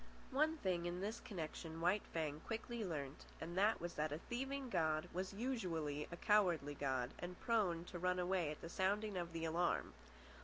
One thing, in this connection, White Fang quickly learnt, and that was that a thieving god was usually a cowardly god and prone to run away at the sounding of the alarm.